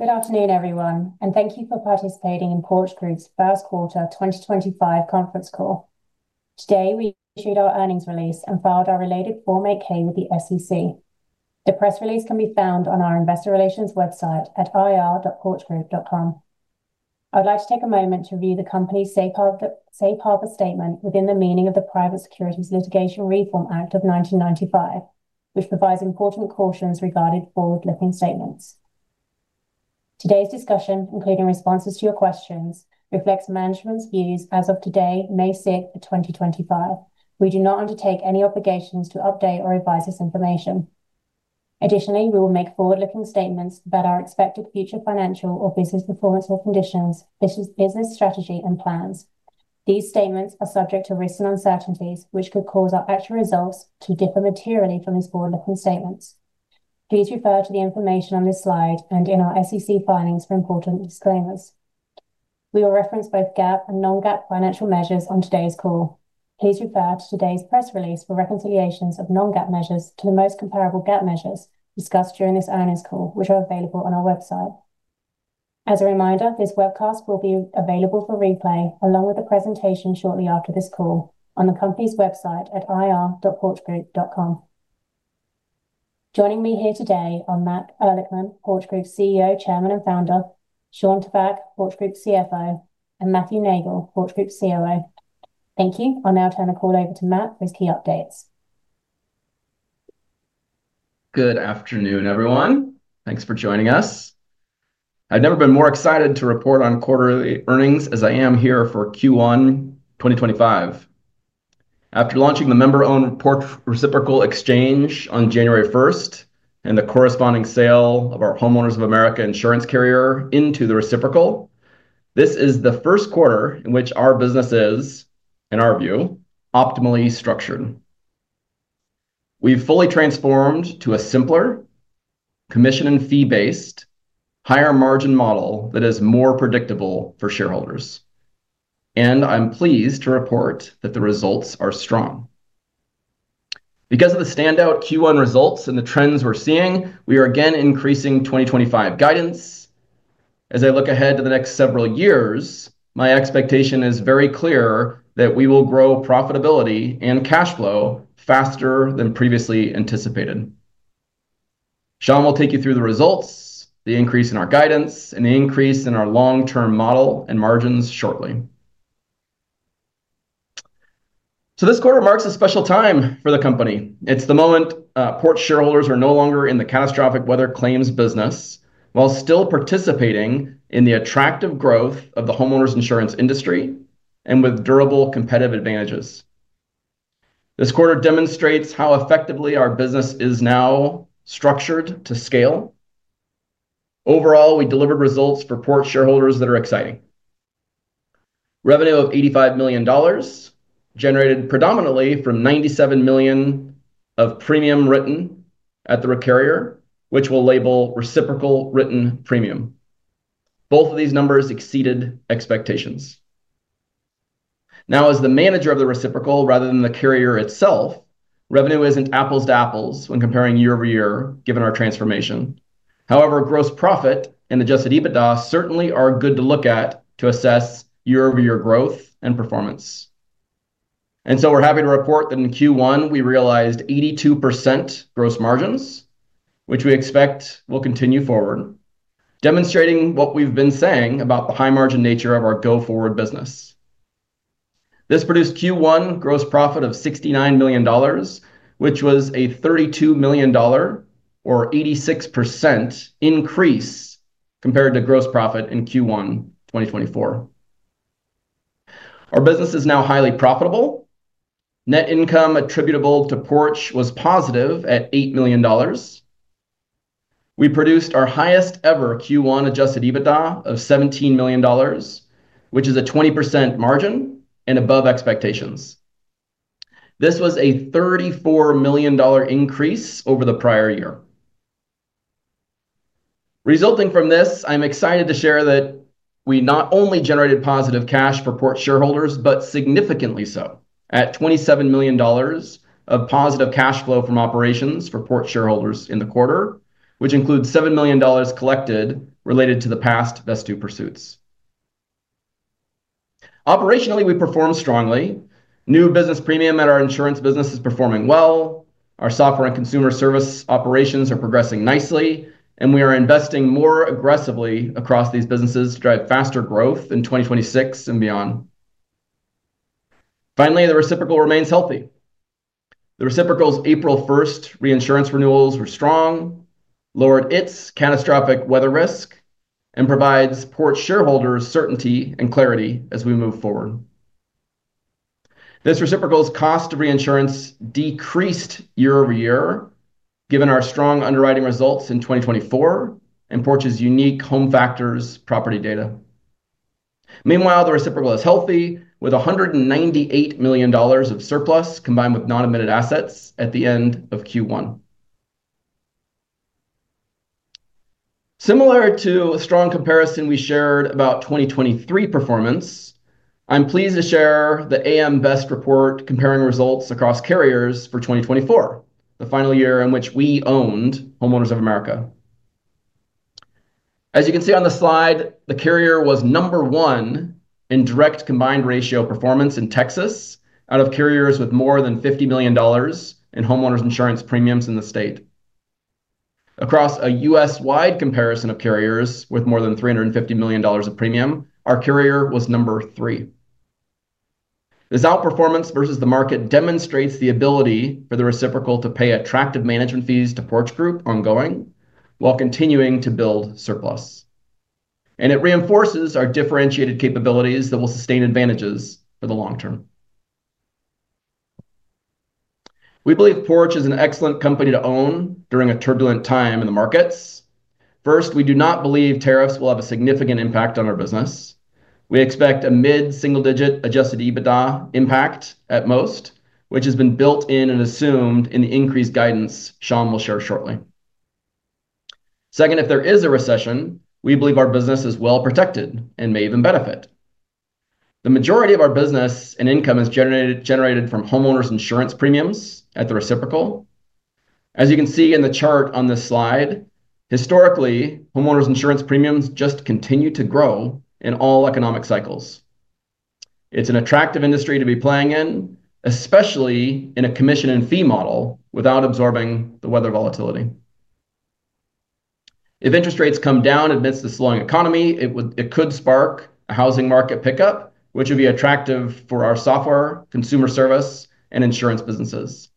Good afternoon, everyone, and thank you for participating in Porch Group's First Quarter 2025 Conference Call. Today, we issued our earnings release and filed our related Form 8K with the SEC. The press release can be found on our Investor Relations website at ir.porchgroup.com. I would like to take a moment to review the Company's safe harbor statement within the meaning of the Private Securities Litigation Reform Act of 1995, which provides important cautions regarding forward-looking statements. Today's discussion, including responses to your questions, reflects Management's views as of today, May 6, 2025. We do not undertake any obligations to update or advise this information. Additionally, we will make forward-looking statements about our expected future financial or business performance or conditions, business strategy, and plans. These statements are subject to risks and uncertainties, which could cause our actual results to differ materially from these forward-looking statements. Please refer to the information on this slide and in our SEC filings for important disclaimers. We will reference both GAAP and non-GAAP financial measures on today's call. Please refer to today's press release for reconciliations of non-GAAP measures to the most comparable GAAP measures discussed during this earnings call, which are available on our website. As a reminder, this webcast will be available for replay along with the presentation shortly after this call on the Company's website at ir.porchgroup.com. Joining me here today are Matt Ehrlichman, Porch Group CEO, Chairman, and Founder, Shawn Tabak, Porch Group CFO, and Matthew Neagle, Porch Group COO. Thank you. I'll now turn the call over to Matt with key updates. Good afternoon, everyone. Thanks for joining us. I've never been more excited to report on quarterly earnings as I am here for Q1 2025. After launching the member-owned Porch Reciprocal Exchange on January 1 and the corresponding sale of our Homeowners of America insurance carrier into the reciprocal, this is the first quarter in which our business is, in our view, optimally structured. We've fully transformed to a simpler, commission and fee-based, higher-margin model that is more predictable for shareholders. I'm pleased to report that the results are strong. Because of the standout Q1 results and the trends we're seeing, we are again increasing 2025 guidance. As I look ahead to the next several years, my expectation is very clear that we will grow profitability and cash flow faster than previously anticipated. Shawn will take you through the results, the increase in our guidance, and the increase in our long-term model and margins shortly. This quarter marks a special time for the company. It's the moment Porch shareholders are no longer in the catastrophic weather claims business while still participating in the attractive growth of the homeowners insurance industry and with durable competitive advantages. This quarter demonstrates how effectively our business is now structured to scale. Overall, we delivered results for Porch shareholders that are exciting. Revenue of $85 million generated predominantly from $97 million of premium written at the carrier, which we'll label reciprocal written premium. Both of these numbers exceeded expectations. Now, as the manager of the reciprocal rather than the carrier itself, revenue isn't apples to apples when comparing year over year given our transformation. However, gross profit and adjusted EBITDA certainly are good to look at to assess year-over-year growth and performance. We are happy to report that in Q1, we realized 82% gross margins, which we expect will continue forward, demonstrating what we have been saying about the high-margin nature of our go-forward business. This produced Q1 gross profit of $69 million, which was a $32 million, or 86% increase compared to gross profit in Q1 2024. Our business is now highly profitable. Net income attributable to Porch was positive at $8 million. We produced our highest-ever Q1 adjusted EBITDA of $17 million, which is a 20% margin and above expectations. This was a $34 million increase over the prior year. Resulting from this, I'm excited to share that we not only generated positive cash for Porch shareholders, but significantly so, at $27 million of positive cash flow from operations for Porch shareholders in the quarter, which includes $7 million collected related to the past vest due pursuits. Operationally, we performed strongly. New business premium at our insurance business is performing well. Our software and consumer service operations are progressing nicely, and we are investing more aggressively across these businesses to drive faster growth in 2026 and beyond. Finally, the reciprocal remains healthy. The reciprocal's April 1 reinsurance renewals were strong, lowered its catastrophic weather risk, and provides Porch shareholders certainty and clarity as we move forward. This reciprocal's cost to reinsurance decreased year over year, given our strong underwriting results in 2024 and Porch's unique Home Factors property data. Meanwhile, the reciprocal is healthy, with $198 million of surplus combined with non-admitted assets at the end of Q1. Similar to a strong comparison we shared about 2023 performance, I'm pleased to share the AM Best Report comparing results across carriers for 2024, the final year in which we owned Homeowners of America. As you can see on the slide, the carrier was number one in direct combined ratio performance in Texas out of carriers with more than $50 million in homeowners insurance premiums in the state. Across a U.S.-wide comparison of carriers with more than $350 million of premium, our carrier was number three. This outperformance versus the market demonstrates the ability for the reciprocal to pay attractive management fees to Porch Group ongoing while continuing to build surplus. It reinforces our differentiated capabilities that will sustain advantages for the long term. We believe Porch is an excellent company to own during a turbulent time in the markets. First, we do not believe tariffs will have a significant impact on our business. We expect a mid-single-digit adjusted EBITDA impact at most, which has been built in and assumed in the increased guidance Shawn will share shortly. Second, if there is a recession, we believe our business is well protected and may even benefit. The majority of our business and income is generated from homeowners insurance premiums at the reciprocal. As you can see in the chart on this slide, historically, homeowners insurance premiums just continue to grow in all economic cycles. It's an attractive industry to be playing in, especially in a commission and fee model without absorbing the weather volatility. If interest rates come down amidst this slowing economy, it could spark a housing market pickup, which would be attractive for our software, consumer service, and insurance businesses.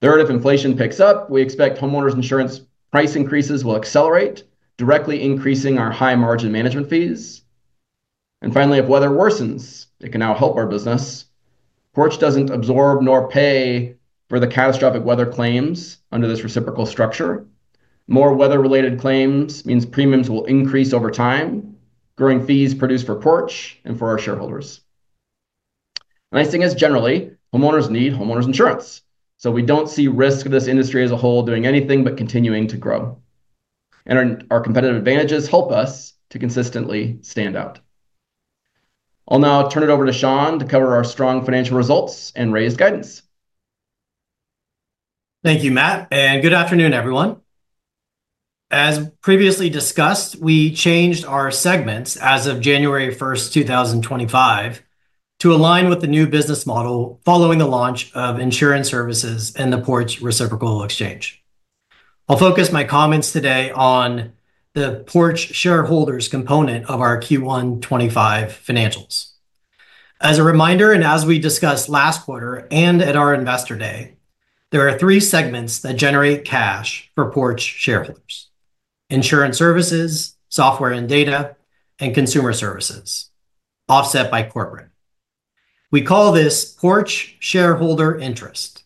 Third, if inflation picks up, we expect homeowners insurance price increases will accelerate, directly increasing our high-margin management fees. Finally, if weather worsens, it can now help our business. Porch does not absorb nor pay for the catastrophic weather claims under this reciprocal structure. More weather-related claims means premiums will increase over time, growing fees produced for Porch and for our shareholders. The nice thing is, generally, homeowners need homeowners insurance. We do not see risk of this industry as a whole doing anything but continuing to grow. Our competitive advantages help us to consistently stand out. I will now turn it over to Shawn to cover our strong financial results and raise guidance. Thank you, Matt. Good afternoon, everyone. As previously discussed, we changed our segments as of January 1, 2025, to align with the new business model following the launch of Insurance Services and the Porch Reciprocal Exchange. I'll focus my comments today on the Porch shareholders component of our Q1 2025 financials. As a reminder, and as we discussed last quarter and at our Investor Day, there are three segments that generate cash for Porch shareholders: Insurance Services, Software and Data, and Consumer Services, offset by corporate. We call this Porch shareholder interest.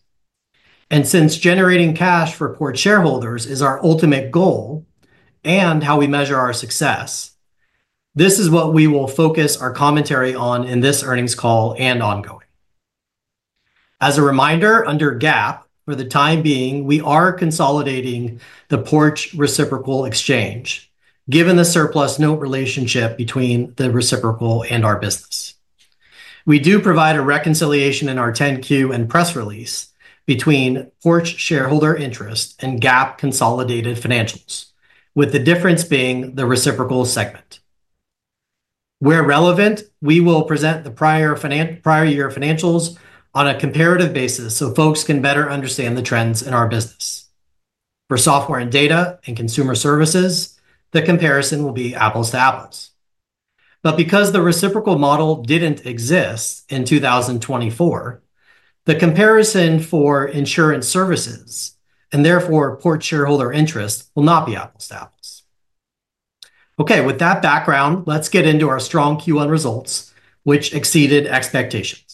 Since generating cash for Porch shareholders is our ultimate goal and how we measure our success, this is what we will focus our commentary on in this earnings call and ongoing. As a reminder, under GAAP, for the time being, we are consolidating the Porch Reciprocal Exchange, given the surplus-note relationship between the reciprocal and our business. We do provide a reconciliation in our 10Q and press release between Porch shareholder interest and GAAP consolidated financials, with the difference being the reciprocal segment. Where relevant, we will present the prior year financials on a comparative basis so folks can better understand the trends in our business. For software and data and consumer services, the comparison will be apples to apples. However, because the reciprocal model did not exist in 2024, the comparison for insurance services and therefore Porch shareholder interest will not be apples to apples. Okay, with that background, let's get into our strong Q1 results, which exceeded expectations.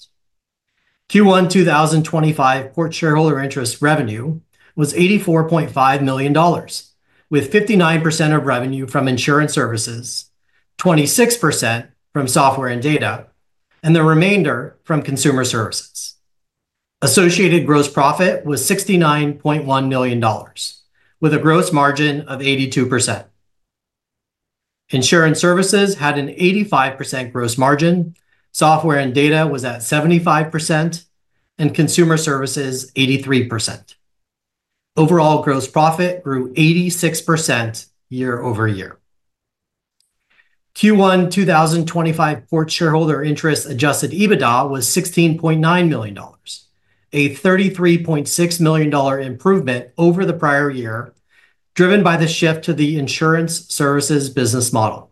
Q1 2025 Porch shareholder interest revenue was $84.5 million, with 59% of revenue from insurance services, 26% from software and data, and the remainder from consumer services. Associated gross profit was $69.1 million, with a gross margin of 82%. Insurance services had an 85% gross margin, software and data was at 75%, and consumer services 83%. Overall gross profit grew 86% year over year. Q1 2025 Porch shareholder interest adjusted EBITDA was $16.9 million, a $33.6 million improvement over the prior year, driven by the shift to the insurance services business model.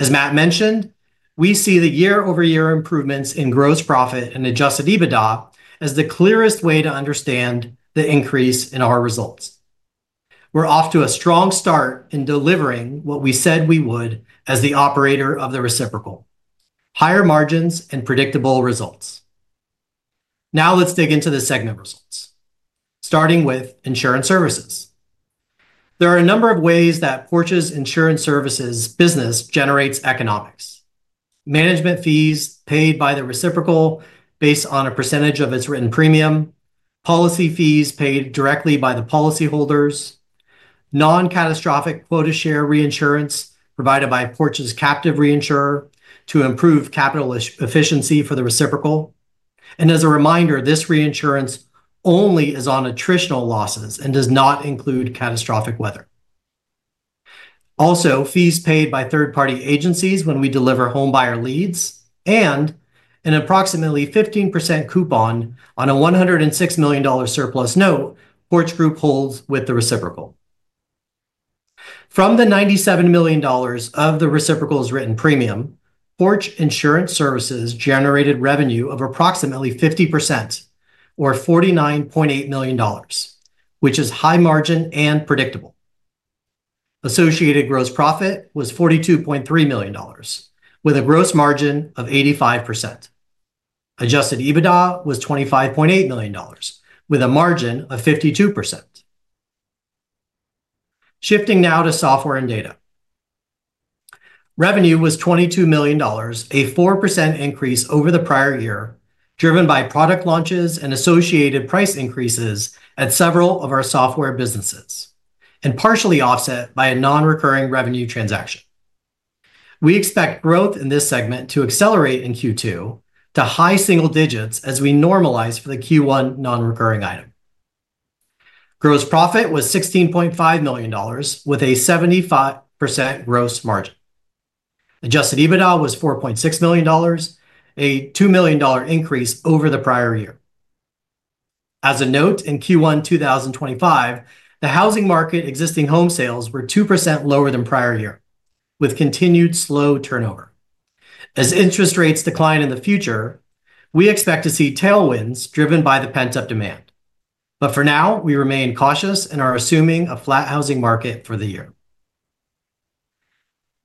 As Matt mentioned, we see the year-over-year improvements in gross profit and adjusted EBITDA as the clearest way to understand the increase in our results. We're off to a strong start in delivering what we said we would as the operator of the reciprocal: higher margins and predictable results. Now let's dig into the segment results, starting with insurance services. There are a number of ways that Porch's insurance services business generates economics: management fees paid by the reciprocal based on a percentage of its written premium, policy fees paid directly by the policyholders, non-catastrophic quota share reinsurance provided by Porch's captive reinsurer to improve capital efficiency for the reciprocal. As a reminder, this reinsurance only is on attritional losses and does not include catastrophic weather. Also, fees paid by third-party agencies when we deliver home buyer leads, and an approximately 15% coupon on a $106 million surplus note Porch Group holds with the reciprocal. From the $97 million of the reciprocal's written premium, Porch insurance services generated revenue of approximately 50%, or $49.8 million, which is high margin and predictable. Associated gross profit was $42.3 million, with a gross margin of 85%. Adjusted EBITDA was $25.8 million, with a margin of 52%. Shifting now to software and data. Revenue was $22 million, a 4% increase over the prior year, driven by product launches and associated price increases at several of our software businesses, and partially offset by a non-recurring revenue transaction. We expect growth in this segment to accelerate in Q2 to high single digits as we normalize for the Q1 non-recurring item. Gross profit was $16.5 million, with a 75% gross margin. Adjusted EBITDA was $4.6 million, a $2 million increase over the prior year. As a note, in Q1 2025, the housing market existing home sales were 2% lower than prior year, with continued slow turnover. As interest rates decline in the future, we expect to see tailwinds driven by the pent-up demand. For now, we remain cautious and are assuming a flat housing market for the year.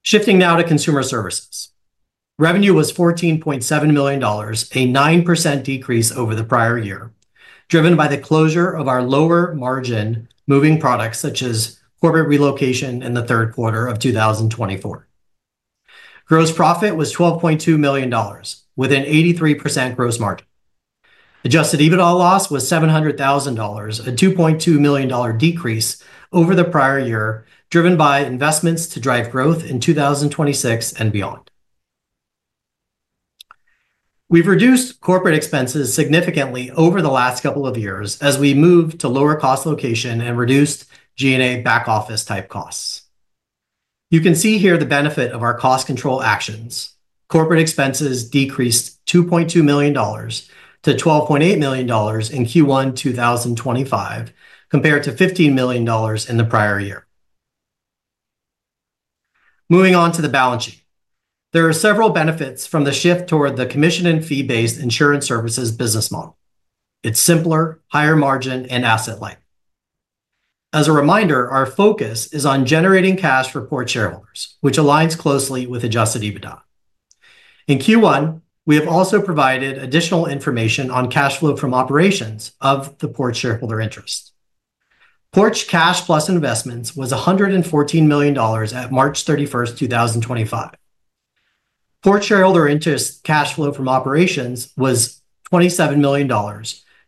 Shifting now to consumer services. Revenue was $14.7 million, a 9% decrease over the prior year, driven by the closure of our lower margin moving products such as corporate relocation in the third quarter of 2024. Gross profit was $12.2 million, with an 83% gross margin. Adjusted EBITDA loss was $700,000, a $2.2 million decrease over the prior year, driven by investments to drive growth in 2026 and beyond. We've reduced corporate expenses significantly over the last couple of years as we moved to lower cost location and reduced G&A back office type costs. You can see here the benefit of our cost control actions. Corporate expenses decreased $2.2 million to $12.8 million in Q1 2025, compared to $15 million in the prior year. Moving on to the balance sheet. There are several benefits from the shift toward the commission and fee-based insurance services business model. It's simpler, higher margin, and asset-light. As a reminder, our focus is on generating cash for Porch shareholders, which aligns closely with adjusted EBITDA. In Q1, we have also provided additional information on cash flow from operations of the Porch shareholder interest. Porch Cash Plus Investments was $114 million at March 31, 2025. Porch shareholder interest cash flow from operations was $27 million,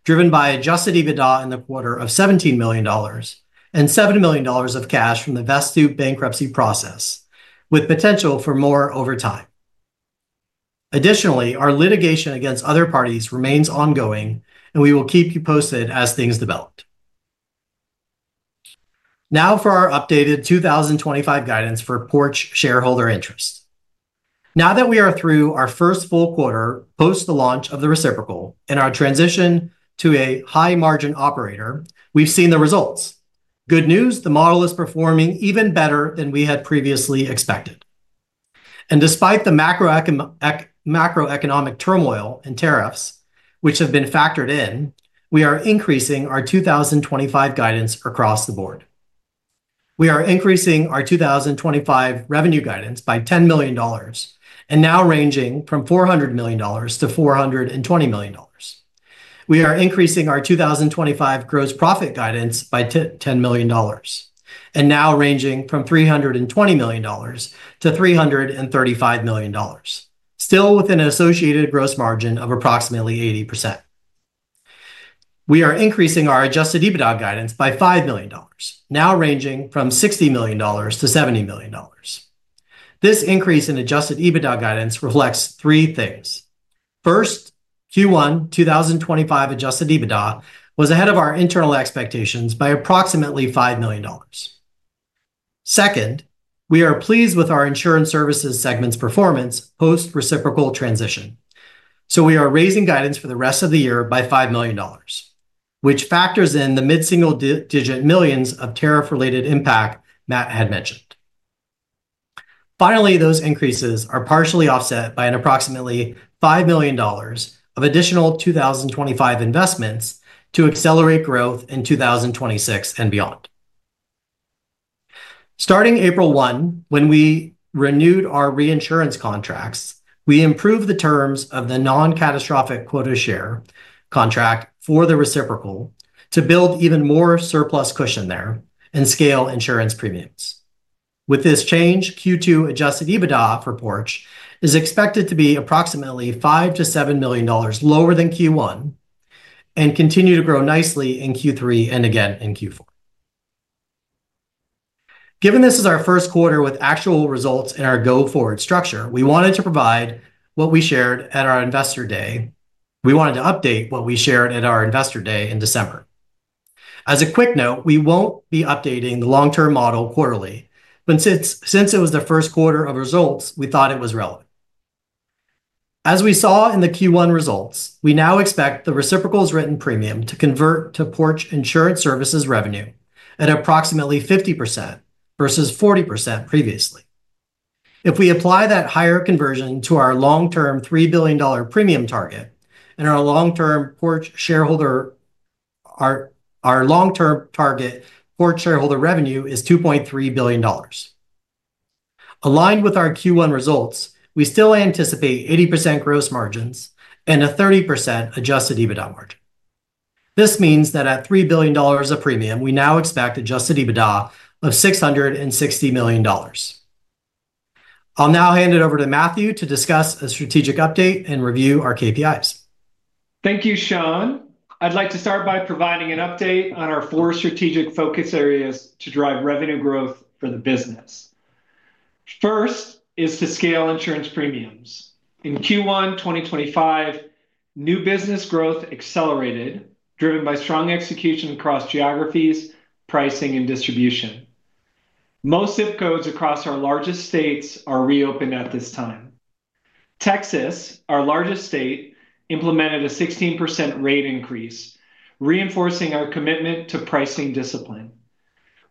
driven by adjusted EBITDA in the quarter of $17 million, and $7 million of cash from the Vestu bankruptcy process, with potential for more over time. Additionally, our litigation against other parties remains ongoing, and we will keep you posted as things develop. Now for our updated 2025 guidance for Porch shareholder interest. Now that we are through our first full quarter post the launch of the reciprocal and our transition to a high-margin operator, we've seen the results. Good news, the model is performing even better than we had previously expected. Despite the macroeconomic turmoil and tariffs, which have been factored in, we are increasing our 2025 guidance across the board. We are increasing our 2025 revenue guidance by $10 million, and now ranging from $400 million-$420 million. We are increasing our 2025 gross profit guidance by $10 million, and now ranging from $320 million-$335 million, still with an associated gross margin of approximately 80%. We are increasing our adjusted EBITDA guidance by $5 million, now ranging from $60 million-$70 million. This increase in adjusted EBITDA guidance reflects three things. First, Q1 2025 adjusted EBITDA was ahead of our internal expectations by approximately $5 million. Second, we are pleased with our Insurance Services segment's performance post-reciprocal transition. We are raising guidance for the rest of the year by $5 million, which factors in the mid-single-digit millions of tariff-related impact Matt had mentioned. Finally, those increases are partially offset by an approximately $5 million of additional 2025 investments to accelerate growth in 2026 and beyond. Starting April 1, when we renewed our reinsurance contracts, we improved the terms of the non-catastrophic quota share contract for the reciprocal to build even more surplus cushion there and scale insurance premiums. With this change, Q2 adjusted EBITDA for Porch is expected to be approximately $5-$7 million lower than Q1 and continue to grow nicely in Q3 and again in Q4. Given this is our first quarter with actual results in our go-forward structure, we wanted to provide what we shared at our Investor Day. We wanted to update what we shared at our Investor Day in December. As a quick note, we won't be updating the long-term model quarterly, but since it was the first quarter of results, we thought it was relevant. As we saw in the Q1 results, we now expect the reciprocal's written premium to convert to Porch insurance services revenue at approximately 50% versus 40% previously. If we apply that higher conversion to our long-term $3 billion premium target, and our long-term Porch shareholder target Porch shareholder revenue is $2.3 billion. Aligned with our Q1 results, we still anticipate 80% gross margins and a 30% adjusted EBITDA margin. This means that at $3 billion of premium, we now expect adjusted EBITDA of $660 million. I'll now hand it over to Matthew to discuss a strategic update and review our KPIs. Thank you, Shawn. I'd like to start by providing an update on our four strategic focus areas to drive revenue growth for the business. First is to scale insurance premiums. In Q1 2025, new business growth accelerated, driven by strong execution across geographies, pricing, and distribution. Most ZIP codes across our largest states are reopened at this time. Texas, our largest state, implemented a 16% rate increase, reinforcing our commitment to pricing discipline.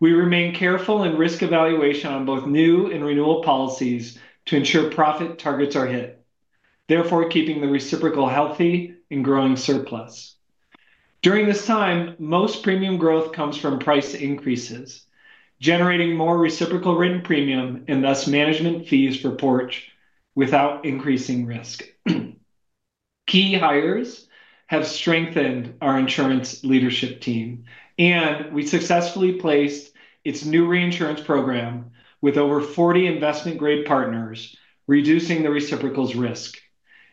We remain careful in risk evaluation on both new and renewal policies to ensure profit targets are hit, therefore keeping the reciprocal healthy and growing surplus. During this time, most premium growth comes from price increases, generating more reciprocal written premium and thus management fees for Porch without increasing risk. Key hires have strengthened our insurance leadership team, and we successfully placed its new reinsurance program with over 40 investment-grade partners, reducing the reciprocal's risk.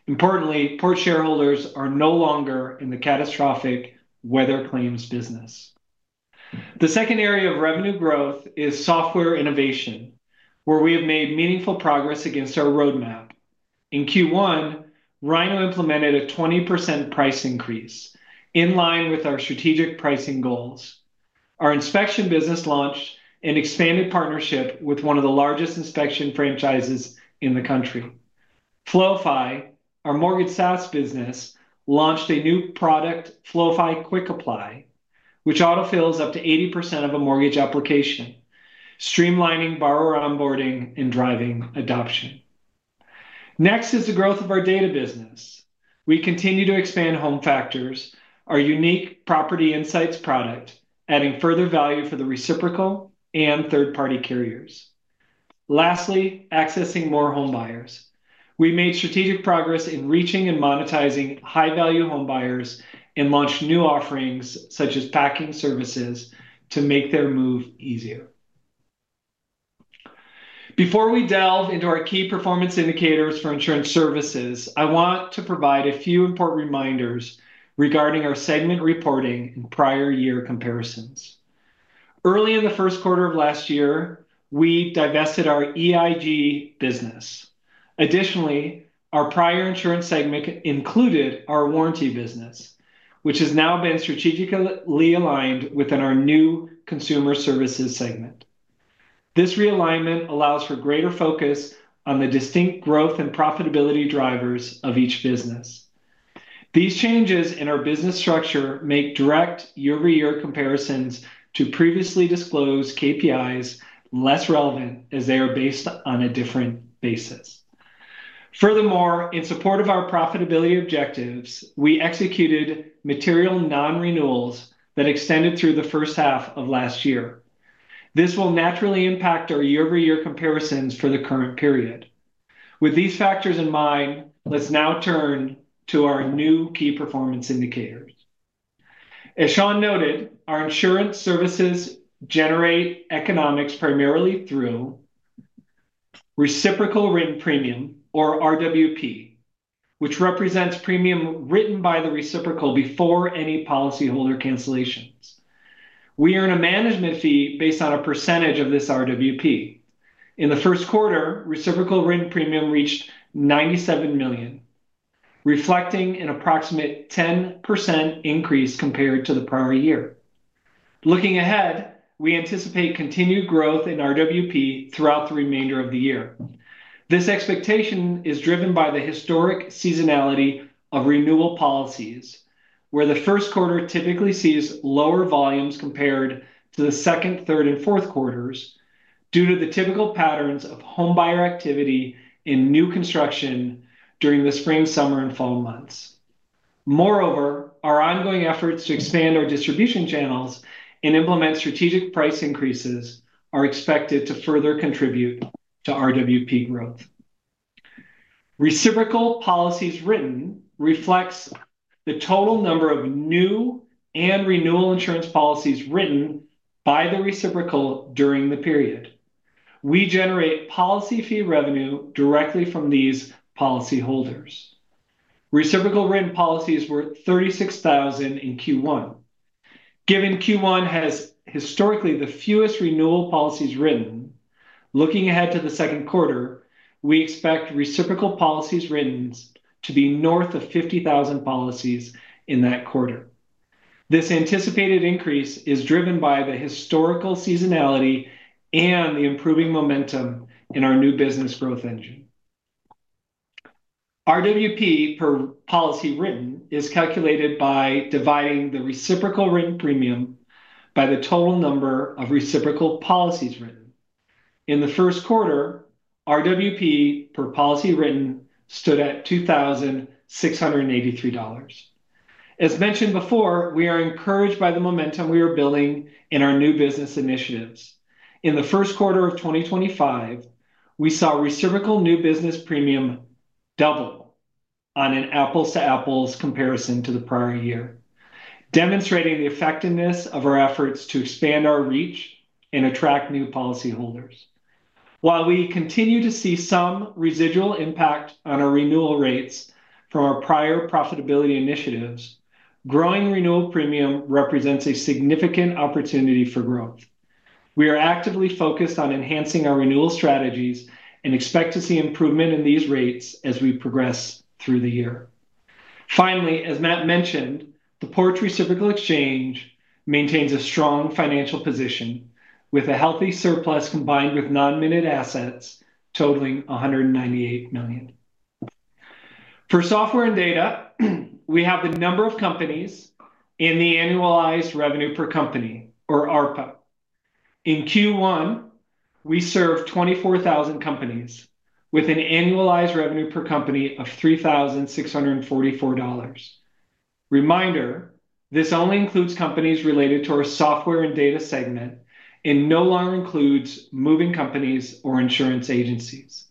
Importantly, Porch shareholders are no longer in the catastrophic weather claims business. The second area of revenue growth is software innovation, where we have made meaningful progress against our roadmap. In Q1, Rhino implemented a 20% price increase in line with our strategic pricing goals. Our inspection business launched an expanded partnership with one of the largest inspection franchises in the country. FlowFi, our mortgage SaaS business, launched a new product, FlowFi Quick Apply, which autofills up to 80% of a mortgage application, streamlining borrower onboarding and driving adoption. Next is the growth of our data business. We continue to expand Home Factors, our unique property insights product, adding further value for the reciprocal and third-party carriers. Lastly, accessing more home buyers. We made strategic progress in reaching and monetizing high-value home buyers and launched new offerings such as packing services to make their move easier. Before we delve into our key performance indicators for Insurance Services, I want to provide a few important reminders regarding our segment reporting and prior year comparisons. Early in the first quarter of last year, we divested our EIG business. Additionally, our prior insurance segment included our warranty business, which has now been strategically aligned within our new Consumer Services segment. This realignment allows for greater focus on the distinct growth and profitability drivers of each business. These changes in our business structure make direct year-over-year comparisons to previously disclosed KPIs less relevant as they are based on a different basis. Furthermore, in support of our profitability objectives, we executed material non-renewals that extended through the first half of last year. This will naturally impact our year-over-year comparisons for the current period. With these factors in mind, let's now turn to our new key performance indicators. As Shawn noted, our insurance services generate economics primarily through reciprocal written premium, or RWP, which represents premium written by the reciprocal before any policyholder cancellations. We earn a management fee based on a percentage of this RWP. In the first quarter, reciprocal written premium reached $97 million, reflecting an approximate 10% increase compared to the prior year. Looking ahead, we anticipate continued growth in RWP throughout the remainder of the year. This expectation is driven by the historic seasonality of renewal policies, where the first quarter typically sees lower volumes compared to the second, third, and fourth quarters due to the typical patterns of home buyer activity in new construction during the spring, summer, and fall months. Moreover, our ongoing efforts to expand our distribution channels and implement strategic price increases are expected to further contribute to RWP growth. Reciprocal policies written reflects the total number of new and renewal insurance policies written by the reciprocal during the period. We generate policy fee revenue directly from these policyholders. Reciprocal written policies were 36,000 in Q1. Given Q1 has historically the fewest renewal policies written, looking ahead to the second quarter, we expect reciprocal policies written to be north of 50,000 policies in that quarter. This anticipated increase is driven by the historical seasonality and the improving momentum in our new business growth engine. RWP per policy written is calculated by dividing the reciprocal written premium by the total number of reciprocal policies written. In the first quarter, RWP per policy written stood at $2,683. As mentioned before, we are encouraged by the momentum we are building in our new business initiatives. In the first quarter of 2025, we saw reciprocal new business premium double on an apples-to-apples comparison to the prior year, demonstrating the effectiveness of our efforts to expand our reach and attract new policyholders. While we continue to see some residual impact on our renewal rates from our prior profitability initiatives, growing renewal premium represents a significant opportunity for growth. We are actively focused on enhancing our renewal strategies and expect to see improvement in these rates as we progress through the year. Finally, as Matt mentioned, the Porch Reciprocal Exchange maintains a strong financial position with a healthy surplus combined with non-admitted assets totaling $198 million. For Software and Data, we have the number of companies and the annualized revenue per company, or ARPA. In Q1, we served 24,000 companies with an annualized revenue per company of $3,644. Reminder, this only includes companies related to our software and data segment and no longer includes moving companies or insurance agencies.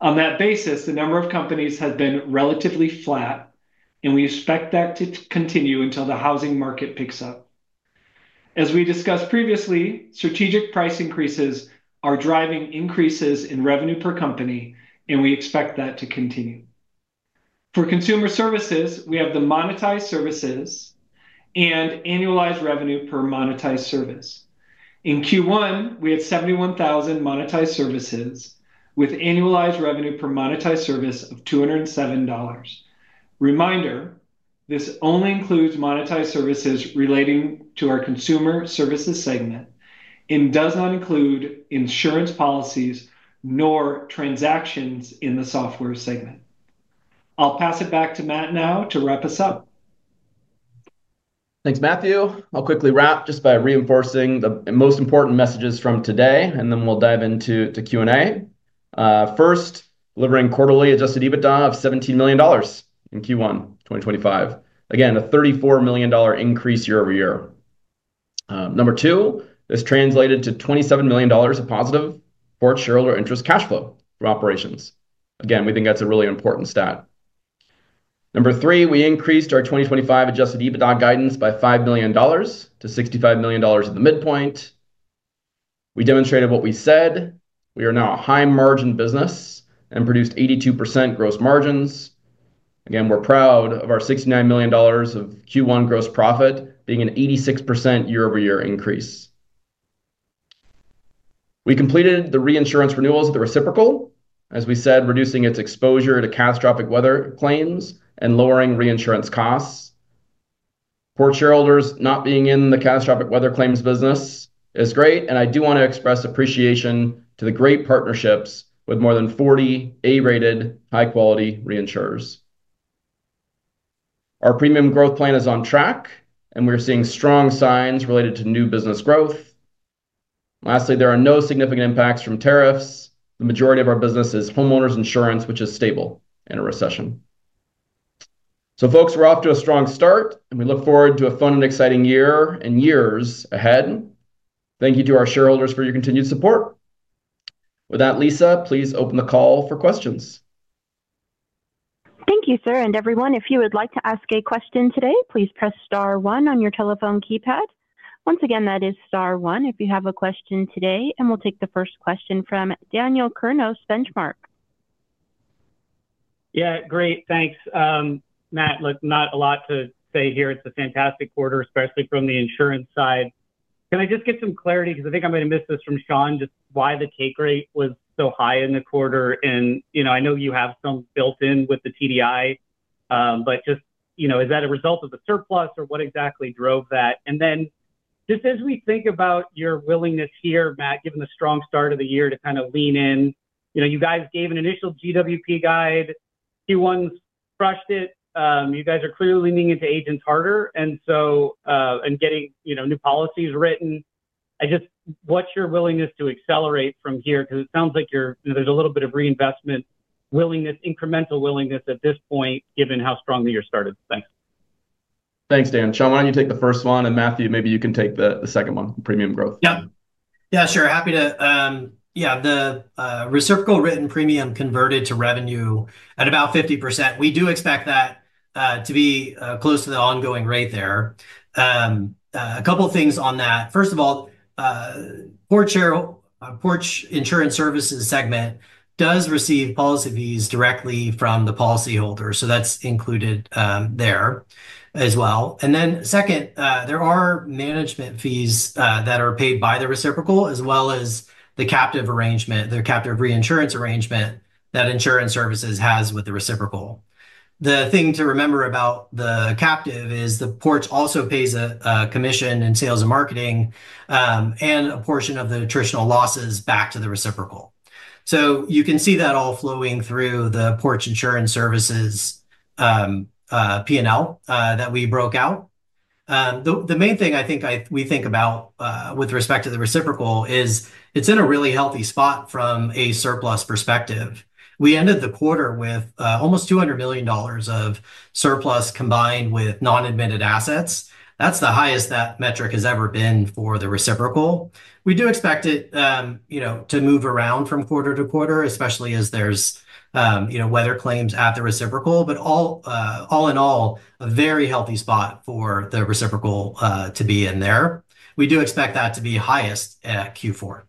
On that basis, the number of companies has been relatively flat, and we expect that to continue until the housing market picks up. As we discussed previously, strategic price increases are driving increases in revenue per company, and we expect that to continue. For consumer services, we have the monetized services and annualized revenue per monetized service. In Q1, we had 71,000 monetized services with annualized revenue per monetized service of $207. Reminder, this only includes monetized services relating to our consumer services segment and does not include insurance policies nor transactions in the software segment. I'll pass it back to Matt now to wrap us up. Thanks, Matthew. I'll quickly wrap just by reinforcing the most important messages from today, and then we'll dive into Q&A. First, delivering quarterly adjusted EBITDA of $17 million in Q1 2025. Again, a $34 million increase year over year. Number two, this translated to $27 million of positive Porch shareholder interest cash flow for operations. Again, we think that's a really important stat. Number three, we increased our 2025 adjusted EBITDA guidance by $5 million to $65 million at the midpoint. We demonstrated what we said. We are now a high-margin business and produced 82% gross margins. Again, we're proud of our $69 million of Q1 gross profit being an 86% year-over-year increase. We completed the reinsurance renewals of the reciprocal, as we said, reducing its exposure to catastrophic weather claims and lowering reinsurance costs. Porch shareholders not being in the catastrophic weather claims business is great, and I do want to express appreciation to the great partnerships with more than 40 A-rated high-quality reinsurers. Our premium growth plan is on track, and we're seeing strong signs related to new business growth. Lastly, there are no significant impacts from tariffs. The majority of our business is homeowners insurance, which is stable in a recession. Folks, we're off to a strong start, and we look forward to a fun and exciting year and years ahead. Thank you to our shareholders for your continued support. With that, Lisa, please open the call for questions. Thank you, sir, and everyone. If you would like to ask a question today, please press star one on your telephone keypad. Once again, that is star one if you have a question today, and we'll take the first question from Daniel Kurnos, Benchmark. Yeah, great. Thanks. Matt, look, not a lot to say here. It's a fantastic quarter, especially from the insurance side. Can I just get some clarity? Because I think I'm going to miss this from Shawn, just why the take rate was so high in the quarter. I know you have some built in with the TDI, but just is that a result of the surplus or what exactly drove that? As we think about your willingness here, Matt, given the strong start of the year to kind of lean in, you guys gave an initial GWP guide. Q1's crushed it. You guys are clearly leaning into agents harder and getting new policies written. What's your willingness to accelerate from here? It sounds like there's a little bit of reinvestment willingness, incremental willingness at this point, given how strongly you started. Thanks. Thanks, Dan. Shawn, why don't you take the first one? Matthew, maybe you can take the second one, premium growth. Yeah. Yeah, sure. Happy to. Yeah, the reciprocal written premium converted to revenue at about 50%. We do expect that to be close to the ongoing rate there. A couple of things on that. First of all, Porch insurance services segment does receive policy fees directly from the policyholder, so that's included there as well. There are management fees that are paid by the reciprocal as well as the captive arrangement, the captive reinsurance arrangement that insurance services has with the reciprocal. The thing to remember about the captive is that Porch also pays a commission in sales and marketing and a portion of the attritional losses back to the reciprocal. You can see that all flowing through the Porch insurance services P&L that we broke out. The main thing I think we think about with respect to the reciprocal is it's in a really healthy spot from a surplus perspective. We ended the quarter with almost $200 million of surplus combined with non-admitted assets. That is the highest that metric has ever been for the reciprocal. We do expect it to move around from quarter to quarter, especially as there are weather claims at the reciprocal, but all in all, a very healthy spot for the reciprocal to be in there. We do expect that to be highest at Q4.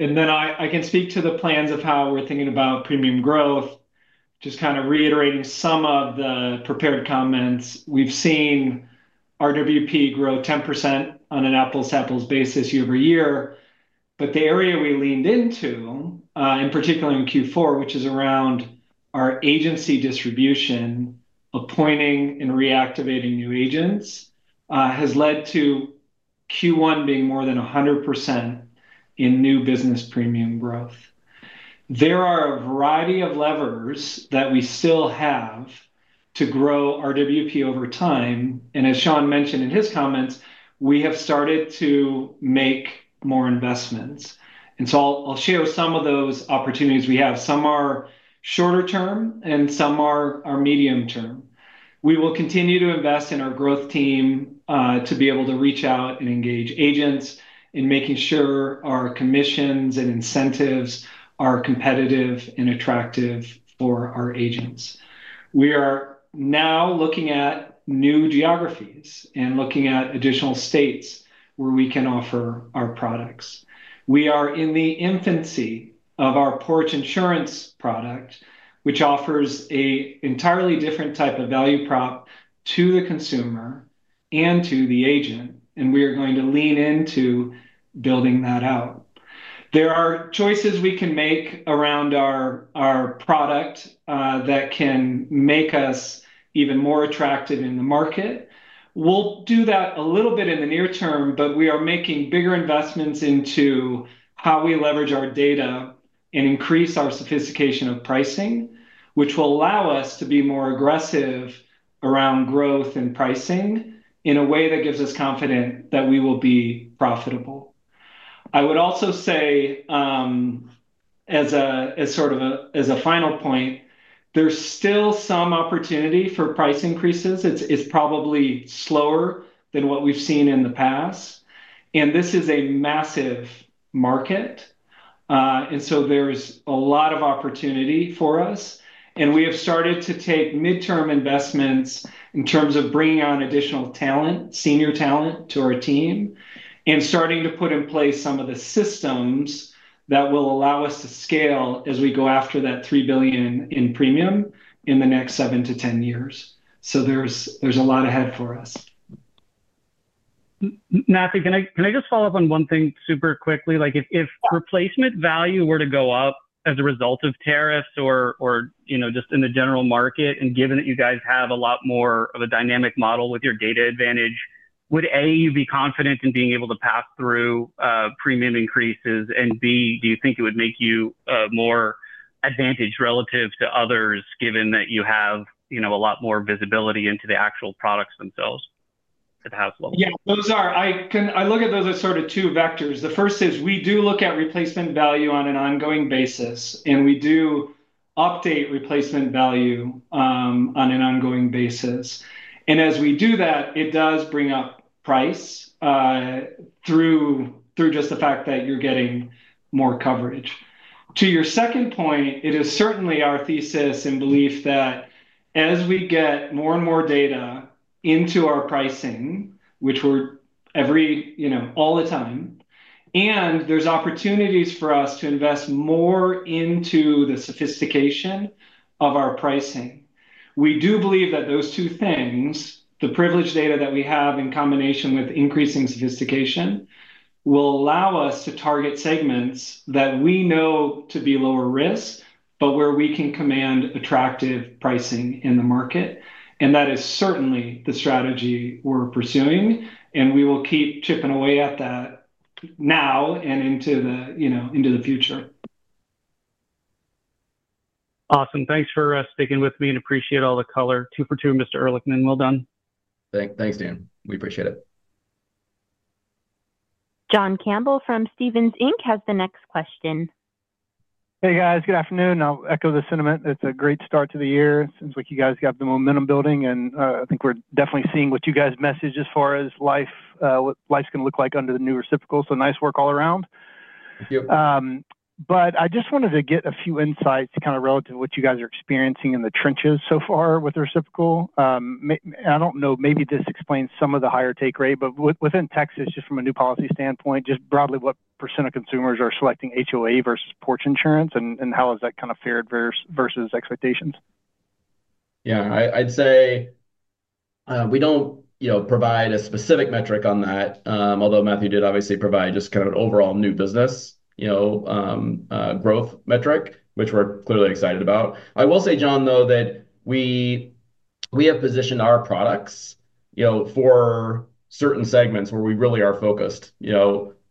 I can speak to the plans of how we are thinking about premium growth, just kind of reiterating some of the prepared comments. We have seen RWP grow 10% on an apples-to-apples basis year over year, but the area we leaned into, in particular in Q4, which is around our agency distribution, appointing and reactivating new agents, has led to Q1 being more than 100% in new business premium growth. There are a variety of levers that we still have to grow RWP over time. As Shawn mentioned in his comments, we have started to make more investments. I'll share some of those opportunities we have. Some are shorter term and some are medium term. We will continue to invest in our growth team to be able to reach out and engage agents in making sure our commissions and incentives are competitive and attractive for our agents. We are now looking at new geographies and looking at additional states where we can offer our products. We are in the infancy of our Porch Insurance product, which offers an entirely different type of value prop to the consumer and to the agent, and we are going to lean into building that out. There are choices we can make around our product that can make us even more attractive in the market. We'll do that a little bit in the near term, but we are making bigger investments into how we leverage our data and increase our sophistication of pricing, which will allow us to be more aggressive around growth and pricing in a way that gives us confidence that we will be profitable. I would also say, as sort of a final point, there's still some opportunity for price increases. It's probably slower than what we've seen in the past, and this is a massive market. There is a lot of opportunity for us, and we have started to take midterm investments in terms of bringing on additional talent, senior talent to our team, and starting to put in place some of the systems that will allow us to scale as we go after that $3 billion in premium in the next 7-10 years. There is a lot ahead for us. Matthew, can I just follow up on one thing super quickly? If replacement value were to go up as a result of tariffs or just in the general market, and given that you guys have a lot more of a dynamic model with your data advantage, would, A, you be confident in being able to pass through premium increases, and, B, do you think it would make you more advantaged relative to others, given that you have a lot more visibility into the actual products themselves at the highest level? Yeah, I look at those as sort of two vectors. The first is we do look at replacement value on an ongoing basis, and we do update replacement value on an ongoing basis. As we do that, it does bring up price through just the fact that you're getting more coverage. To your second point, it is certainly our thesis and belief that as we get more and more data into our pricing, which we are all the time, and there are opportunities for us to invest more into the sophistication of our pricing, we do believe that those two things, the privileged data that we have in combination with increasing sophistication, will allow us to target segments that we know to be lower risk, but where we can command attractive pricing in the market. That is certainly the strategy we are pursuing, and we will keep chipping away at that now and into the future. Awesome. Thanks for sticking with me and appreciate all the color. Two for two, Mr. Ehrlichman. Well done. Thanks, Dan. We appreciate it. John Campbell from Stevens Inc. has the next question. Hey, guys. Good afternoon. I'll echo the sentiment. It's a great start to the year since you guys got the momentum building, and I think we're definitely seeing what you guys' message as far as what life's going to look like under the new reciprocal. Nice work all around. Thank you. I just wanted to get a few insights kind of relative to what you guys are experiencing in the trenches so far with the reciprocal. I don't know, maybe this explains some of the higher take rate, but within Texas, just from a new policy standpoint, just broadly, what % of consumers are selecting HOA versus Porch Insurance, and how has that kind of fared versus expectations? Yeah, I'd say we don't provide a specific metric on that, although Matthew did obviously provide just kind of an overall new business growth metric, which we're clearly excited about. I will say, John, though, that we have positioned our products for certain segments where we really are focused,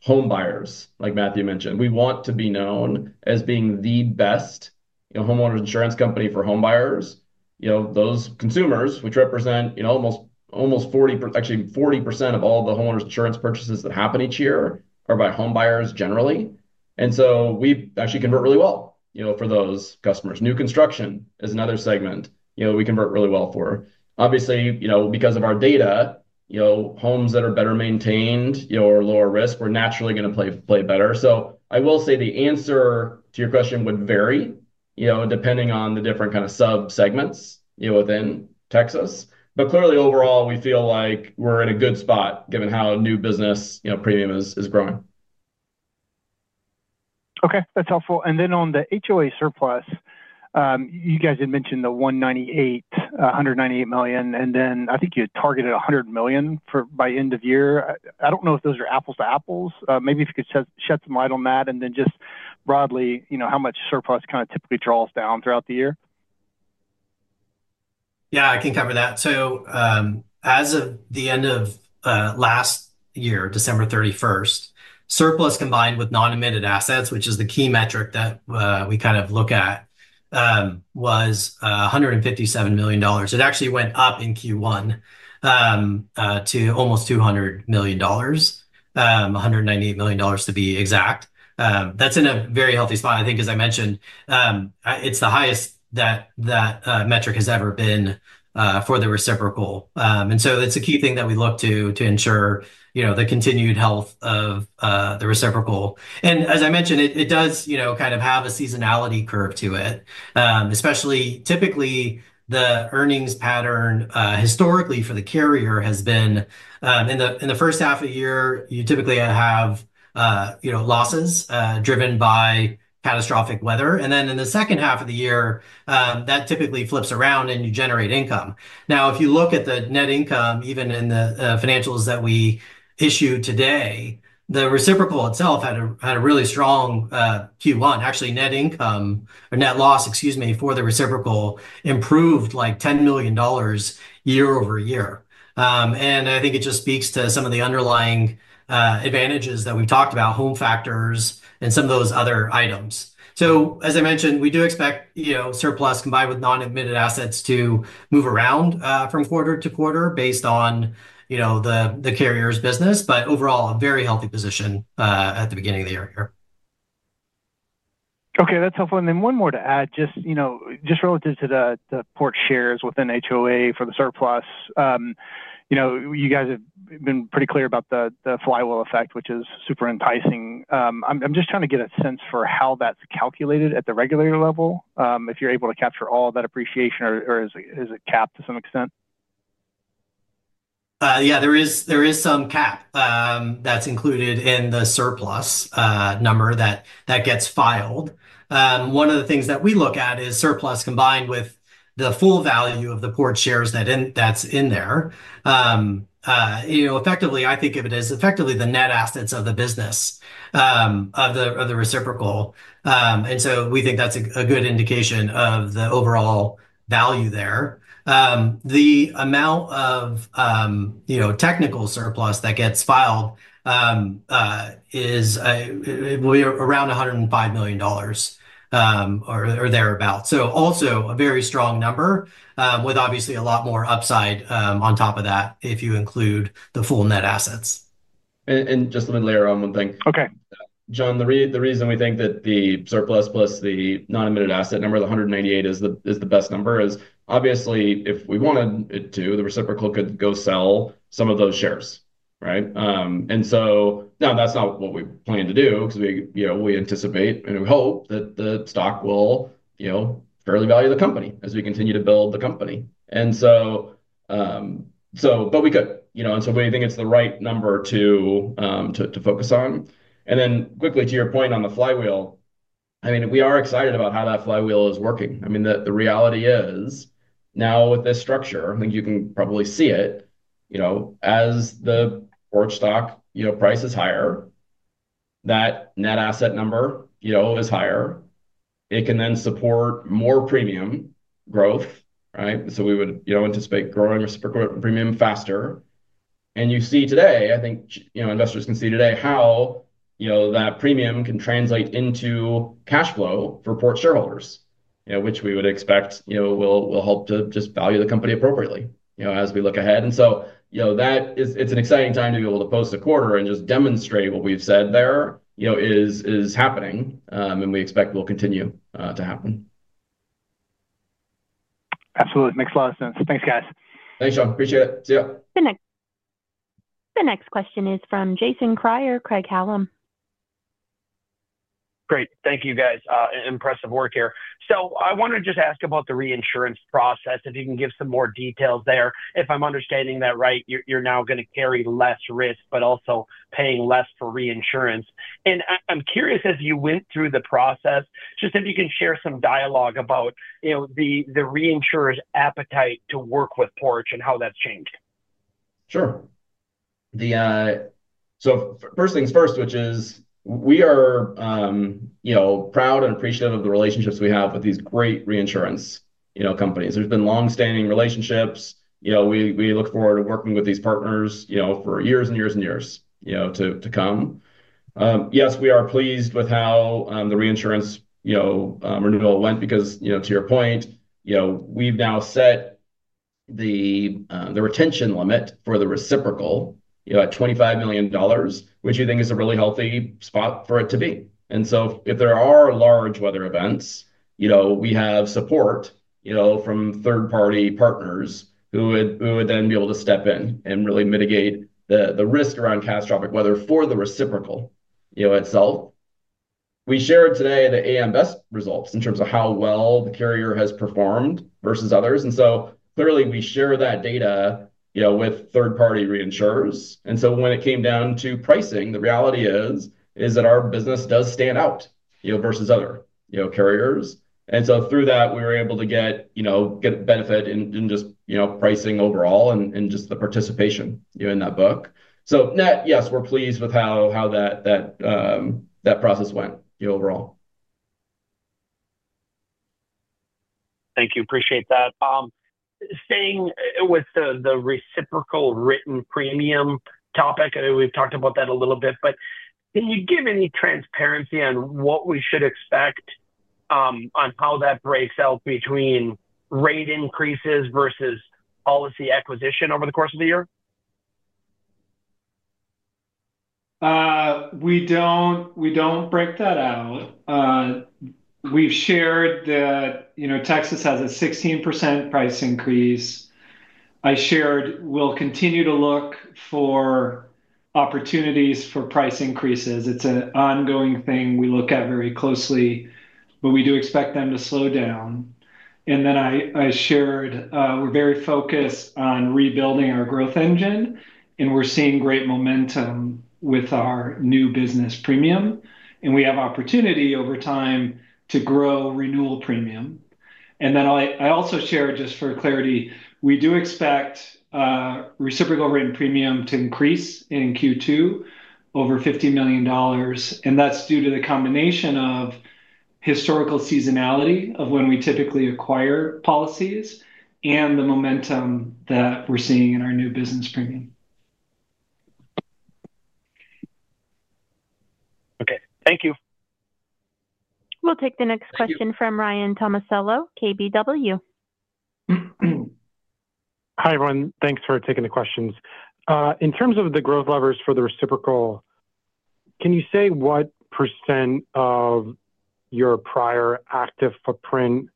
home buyers, like Matthew mentioned. We want to be known as being the best homeowners insurance company for home buyers. Those consumers, which represent almost 40, actually 40% of all the homeowners insurance purchases that happen each year are by home buyers generally. And so we actually convert really well for those customers. New construction is another segment we convert really well for. Obviously, because of our data, homes that are better maintained or lower risk are naturally going to play better. I will say the answer to your question would vary depending on the different kind of subsegments within Texas. Clearly, overall, we feel like we're in a good spot given how new business premium is growing. Okay. That's helpful. On the HOA surplus, you guys had mentioned the $198 million, and then I think you had targeted $100 million by end of year. I do not know if those are apples to apples. Maybe if you could shed some light on that and then just broadly how much surplus kind of typically draws down throughout the year. Yeah, I can cover that. As of the end of last year, December 31, surplus combined with non-admitted assets, which is the key metric that we kind of look at, was $157 million. It actually went up in Q1 to almost $200 million, $198 million to be exact. That is in a very healthy spot. I think, as I mentioned, it is the highest that metric has ever been for the reciprocal. It is a key thing that we look to ensure the continued health of the reciprocal. As I mentioned, it does kind of have a seasonality curve to it, especially typically the earnings pattern historically for the carrier has been in the first half of the year, you typically have losses driven by catastrophic weather. In the second half of the year, that typically flips around and you generate income. Now, if you look at the net income, even in the financials that we issue today, the reciprocal itself had a really strong Q1. Actually, net income or net loss, excuse me, for the reciprocal improved like $10 million year over year. I think it just speaks to some of the underlying advantages that we've talked about, Home Factors and some of those other items. As I mentioned, we do expect surplus combined with non-admitted assets to move around from quarter to quarter based on the carrier's business, but overall, a very healthy position at the beginning of the year here. Okay. That's helpful. One more to add, just relative to the Porch shares within HOA for the surplus, you guys have been pretty clear about the flywheel effect, which is super enticing. I'm just trying to get a sense for how that's calculated at the regulator level, if you're able to capture all that appreciation or is it capped to some extent? Yeah, there is some cap that's included in the surplus number that gets filed. One of the things that we look at is surplus combined with the full value of the Porch shares that's in there. Effectively, I think of it as effectively the net assets of the business of the reciprocal. We think that's a good indication of the overall value there. The amount of technical surplus that gets filed will be around $105 million or thereabouts. Also a very strong number with obviously a lot more upside on top of that if you include the full net assets. Just let me layer on one thing. John, the reason we think that the surplus plus the non-admitted asset number, the $198 million, is the best number is obviously if we wanted it to, the reciprocal could go sell some of those shares, right? Now that's not what we plan to do because we anticipate and we hope that the stock will fairly value the company as we continue to build the company. We could. We think it's the right number to focus on. Quickly to your point on the flywheel, we are excited about how that flywheel is working. The reality is now with this structure, I think you can probably see it. As the Porch stock price is higher, that net asset number is higher. It can then support more premium growth, right? We would anticipate growing reciprocal premium faster. You see today, I think investors can see today how that premium can translate into cash flow for Porch shareholders, which we would expect will help to just value the company appropriately as we look ahead. It's an exciting time to be able to post a quarter and just demonstrate what we've said there is happening, and we expect will continue to happen. Absolutely. Makes a lot of sense. Thanks, guys. Thanks, John. Appreciate it. See you. The next question is from Jason Krayer, Craig Hallum. Great. Thank you, guys. Impressive work here. I wanted to just ask about the reinsurance process, if you can give some more details there. If I'm understanding that right, you're now going to carry less risk, but also paying less for reinsurance. I'm curious, as you went through the process, if you can share some dialogue about the reinsurer's appetite to work with Porch and how that's changed. Sure. First things first, we are proud and appreciative of the relationships we have with these great reinsurance companies. There have been long-standing relationships. We look forward to working with these partners for years and years and years to come. Yes, we are pleased with how the reinsurance renewal went because, to your point, we've now set the retention limit for the reciprocal at $25 million, which we think is a really healthy spot for it to be. If there are large weather events, we have support from third-party partners who would then be able to step in and really mitigate the risk around catastrophic weather for the reciprocal itself. We shared today the AM Best results in terms of how well the carrier has performed versus others. Clearly, we share that data with third-party reinsurers. When it came down to pricing, the reality is that our business does stand out versus other carriers. Through that, we were able to get benefit in just pricing overall and just the participation in that book. Yes, we're pleased with how that process went overall. Thank you. Appreciate that. Staying with the reciprocal written premium topic, we've talked about that a little bit, but can you give any transparency on what we should expect on how that breaks out between rate increases versus policy acquisition over the course of the year? We don't break that out. We've shared that Texas has a 16% price increase. I shared we'll continue to look for opportunities for price increases. It's an ongoing thing we look at very closely, but we do expect them to slow down. I shared we're very focused on rebuilding our growth engine, and we're seeing great momentum with our new business premium. We have opportunity over time to grow renewal premium. I also shared just for clarity, we do expect reciprocal written premium to increase in Q2 over $50 million. That is due to the combination of historical seasonality of when we typically acquire policies and the momentum that we are seeing in our new business premium. Thank you. We will take the next question from Ryan Tomasello, KBW. Hi everyone. Thanks for taking the questions. In terms of the growth levers for the reciprocal, can you say what percent of your prior active footprint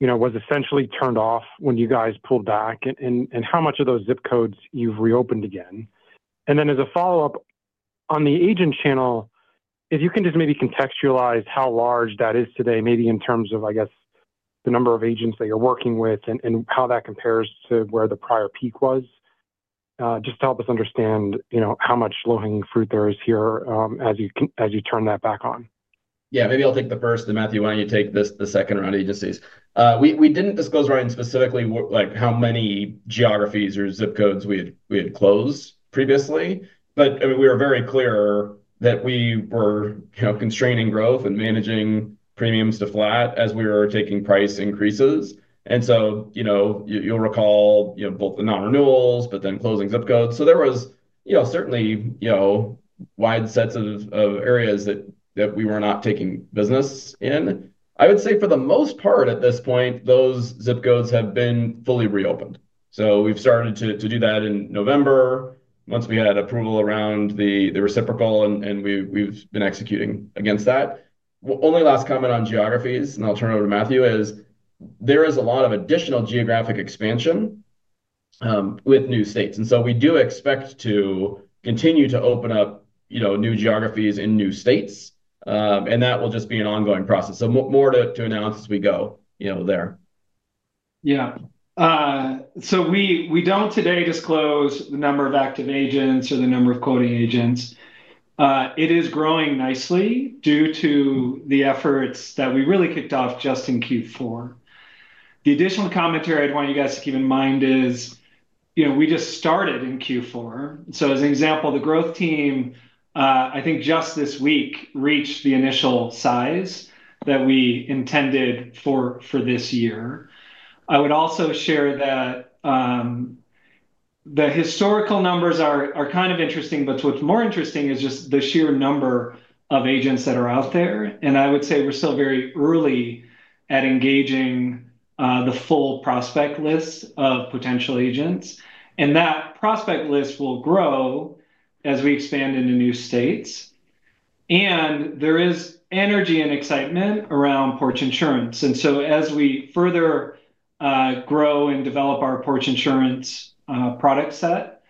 was essentially turned off when you guys pulled back, and how much of those zip codes you have reopened again? As a follow-up, on the agent channel, if you can just maybe contextualize how large that is today, maybe in terms of, I guess, the number of agents that you're working with and how that compares to where the prior peak was, just to help us understand how much low-hanging fruit there is here as you turn that back on. Yeah. Maybe I'll take the first, and Matthew, why don't you take the second round of agencies? We did not disclose, Ryan, specifically how many geographies or zip codes we had closed previously, but we were very clear that we were constraining growth and managing premiums to flat as we were taking price increases. You will recall both the non-renewals, but then closing zip codes. There were certainly wide sets of areas that we were not taking business in. I would say for the most part at this point, those zip codes have been fully reopened. We started to do that in November once we had approval around the reciprocal, and we have been executing against that. Only last comment on geographies, and I will turn it over to Matthew, is there is a lot of additional geographic expansion with new states. We do expect to continue to open up new geographies in new states, and that will just be an ongoing process. More to announce as we go there. Yeah. We do not today disclose the number of active agents or the number of quoting agents. It is growing nicely due to the efforts that we really kicked off just in Q4. The additional commentary I would want you guys to keep in mind is we just started in Q4. As an example, the growth team, I think just this week, reached the initial size that we intended for this year. I would also share that the historical numbers are kind of interesting, but what is more interesting is just the sheer number of agents that are out there. I would say we are still very early at engaging the full prospect list of potential agents. That prospect list will grow as we expand into new states. There is energy and excitement around Porch insurance. As we further grow and develop our Porch insurance product set,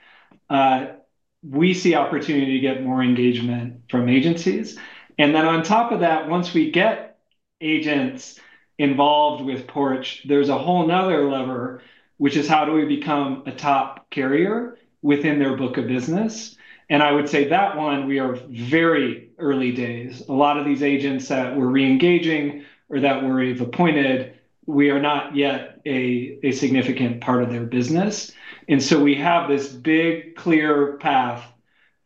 we see opportunity to get more engagement from agencies. On top of that, once we get agents involved with Porch, there is a whole other lever, which is how do we become a top carrier within their book of business. I would say that one, we are very early days. A lot of these agents that we're reengaging or that we've appointed, we are not yet a significant part of their business. We have this big, clear path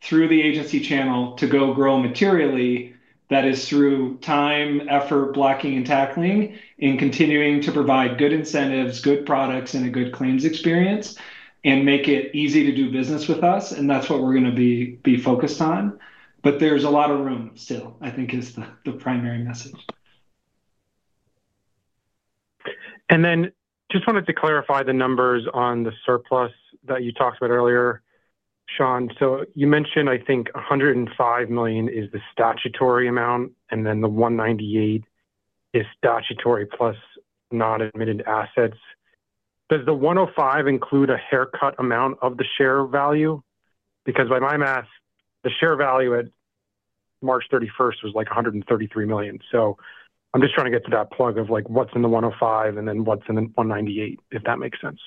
through the agency channel to go grow materially that is through time, effort, blocking, and tackling, and continuing to provide good incentives, good products, and a good claims experience, and make it easy to do business with us. That's what we're going to be focused on. There is a lot of room still, I think, is the primary message. I just wanted to clarify the numbers on the surplus that you talked about earlier, Shawn. You mentioned, I think, $105 million is the statutory amount, and then the $198 million is statutory plus non-admitted assets. Does the $105 million include a haircut amount of the share value? Because by my math, the share value at March 31 was like $133 million. I'm just trying to get to that plug of what's in the $105 million and then what's in the $198 million, if that makes sense.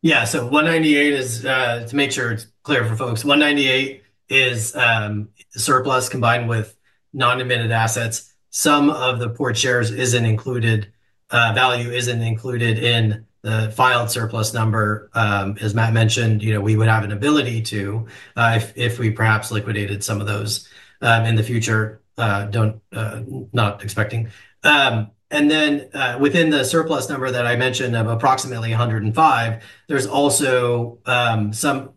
Yeah. $198 million is, to make sure it's clear for folks, $198 million is surplus combined with non-admitted assets. Some of the Porch shares isn't included; value isn't included in the filed surplus number. As Matt mentioned, we would have an ability to if we perhaps liquidated some of those in the future, not expecting. Within the surplus number that I mentioned of approximately $105 million, there's also some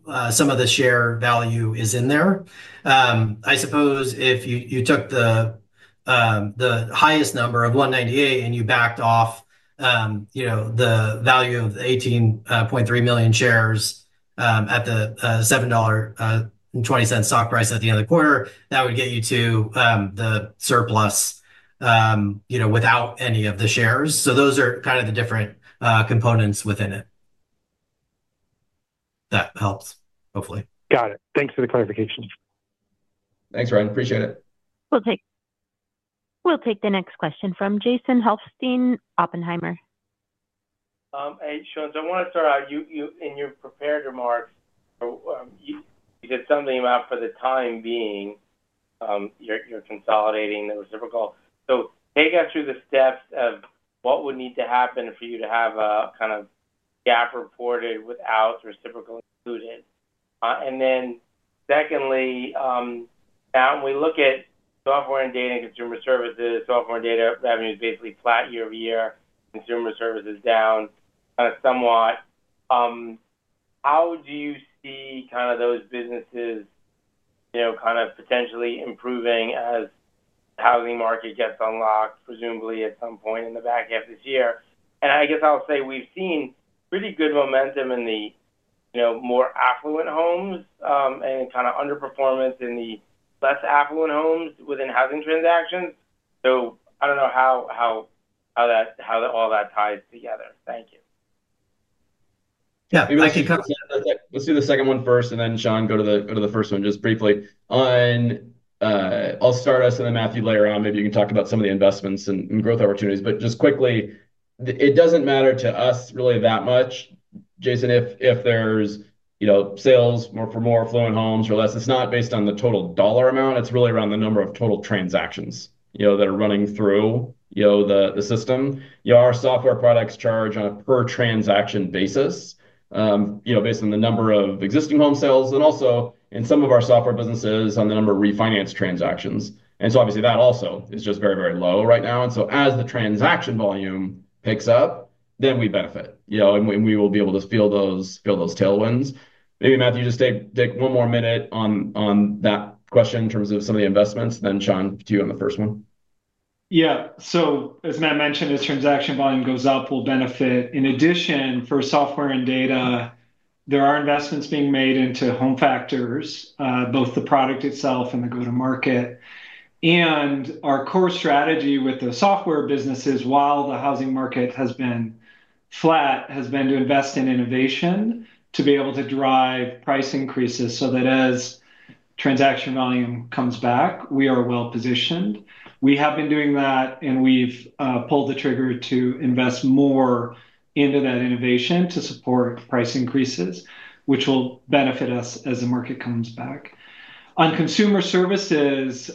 of the share value is in there. I suppose if you took the highest number of $198 million and you backed off the value of the 18.3 million shares at the $7.20 stock price at the end of the quarter, that would get you to the surplus without any of the shares. So those are kind of the different components within it. That helps, hopefully. Got it. Thanks for the clarification. Thanks, Ryan. Appreciate it. We'll take the next question from Jason Helfstein Oppenheimer. Hey, Shawn, so I want to start out in your prepared remarks. You said something about for the time being you're consolidating the reciprocal. Take us through the steps of what would need to happen for you to have a kind of GAAP reported without reciprocal included. Then secondly, now when we look at software and data and consumer services, software and data revenue is basically flat year over year, consumer services down kind of somewhat. How do you see kind of those businesses kind of potentially improving as the housing market gets unlocked, presumably at some point in the back half this year? I guess I'll say we've seen pretty good momentum in the more affluent homes and kind of underperformance in the less affluent homes within housing transactions. I don't know how all that ties together. Thank you. Yeah. I can come to that. Let's do the second one first, and then Shawn, go to the first one just briefly. I'll start us, and then Matthew later on, maybe you can talk about some of the investments and growth opportunities. Just quickly, it does not matter to us really that much, Jason, if there are sales for more affluent homes or less. It is not based on the total dollar amount. It is really around the number of total transactions that are running through the system. Our software products charge on a per-transaction basis based on the number of existing home sales and also in some of our software businesses on the number of refinance transactions. Obviously, that also is just very, very low right now. As the transaction volume picks up, then we benefit, and we will be able to feel those tailwinds. Maybe Matthew, just take one more minute on that question in terms of some of the investments. Then Shawn, to you on the first one. Yeah. As Matt mentioned, as transaction volume goes up, we will benefit. In addition, for Software and Data, there are investments being made into Home Factors, both the product itself and the go-to-market. Our core strategy with the software businesses, while the housing market has been flat, has been to invest in innovation to be able to drive price increases so that as transaction volume comes back, we are well-positioned. We have been doing that, and we have pulled the trigger to invest more into that innovation to support price increases, which will benefit us as the market comes back. On Consumer Services,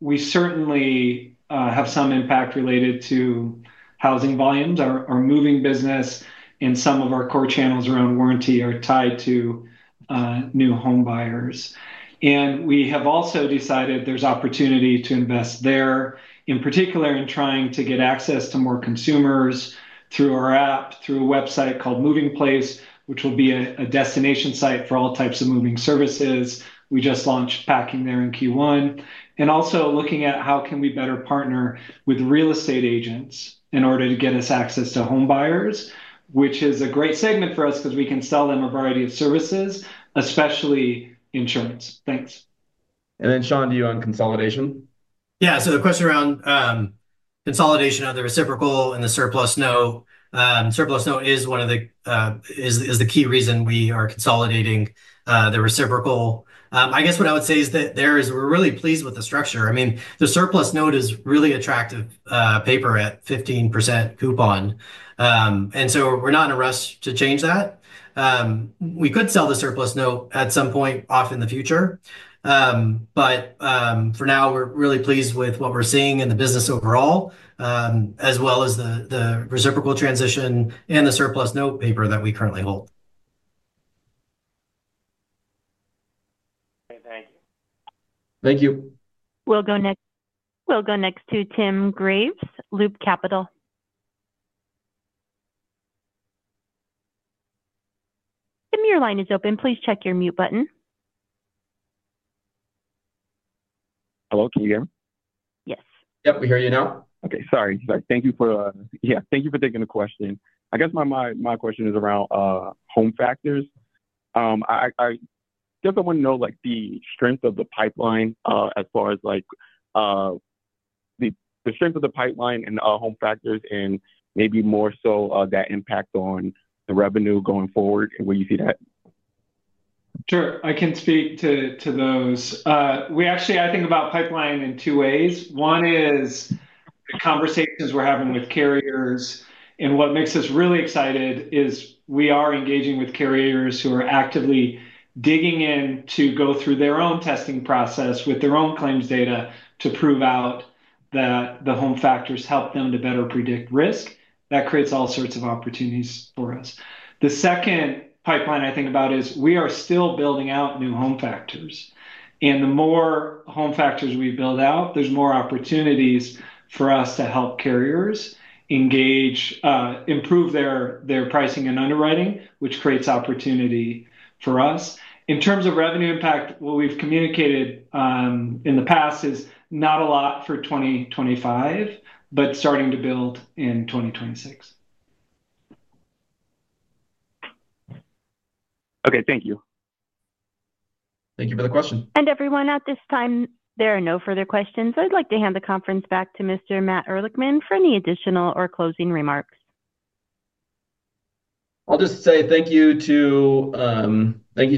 we certainly have some impact related to housing volumes. Our moving business and some of our core channels around warranty are tied to new home buyers. We have also decided there's opportunity to invest there, in particular, in trying to get access to more consumers through our app, through a website called Moving Place, which will be a destination site for all types of moving services. We just launched packing there in Q1. We are also looking at how we can better partner with real estate agents in order to get us access to home buyers, which is a great segment for us because we can sell them a variety of services, especially insurance. Thanks. Sean, do you have consolidation? Yeah. The question around consolidation of the reciprocal and the surplus note, surplus note is one of the key reasons we are consolidating the reciprocal. I guess what I would say is that we're really pleased with the structure. I mean, the surplus note is really attractive paper at 15% coupon. We're not in a rush to change that. We could sell the surplus note at some point off in the future. For now, we're really pleased with what we're seeing in the business overall, as well as the reciprocal transition and the surplus note paper that we currently hold. Thank you. Thank you. We'll go next to Tim Graves, Loop Capital. If your line is open, please check your mute button. Hello. Can you hear me? Yes. Yep. We hear you now. Sorry. Thank you for, yeah, thank you for taking the question. I guess my question is around Home Factors. I want to know the strength of the pipeline as far as the strength of the pipeline and Home Factors and maybe more so that impact on the revenue going forward and where you see that. Sure. I can speak to those. We actually think about pipeline in two ways. One is the conversations we're having with carriers. What makes us really excited is we are engaging with carriers who are actively digging in to go through their own testing process with their own claims data to prove out that the home factors help them to better predict risk. That creates all sorts of opportunities for us. The second pipeline I think about is we are still building out new home factors. The more home factors we build out, there's more opportunities for us to help carriers engage, improve their pricing and underwriting, which creates opportunity for us. In terms of revenue impact, what we've communicated in the past is not a lot for 2025, but starting to build in 2026. Okay. Thank you. Thank you for the question. Everyone, at this time, there are no further questions. I'd like to hand the conference back to Mr. Matt Ehrlichman for any additional or closing remarks. I'll just say thank you to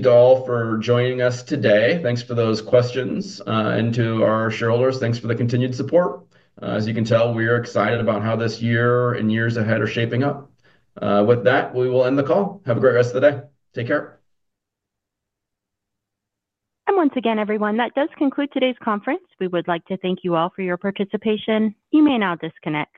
all for joining us today. Thanks for those questions. And to our shareholders, thanks for the continued support. As you can tell, we are excited about how this year and years ahead are shaping up. With that, we will end the call. Have a great rest of the day. Take care. Once again, everyone, that does conclude today's conference. We would like to thank you all for your participation. You may now disconnect.